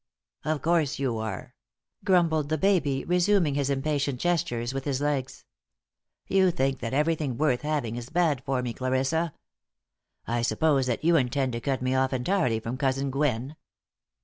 "Of course you are," grumbled the baby, resuming his impatient gestures with his legs. "You think that everything worth having is bad for me, Clarissa. I suppose that you intend to cut me off entirely from Cousin Gwen?"